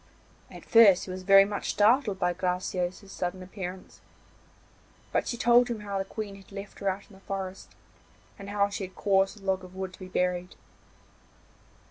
At first he was very much startled by Graciosa's sudden appearance, but she told him how the Queen had left her out in the forest, and how she had caused a log of wood to be buried.